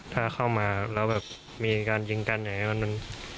ถ้าเข้ามาแล้วแบบมีการยิงกันอย่างนี้มัน